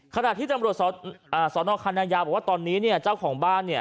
ขณะที่ตำรวจสนคณะยาวบอกว่าตอนนี้เนี่ยเจ้าของบ้านเนี่ย